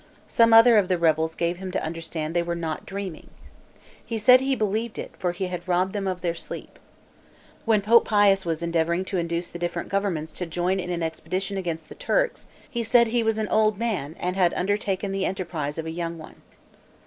Some other of the rebels gave him to understand they were "not dreaming." He said, "he believed it, for he had robbed them of their sleep." When Pope Pius was endeavoring to induce the different governments to join in an expedition against the Turks, he said, "he was an old man, and had undertaken the enterprise of a young one."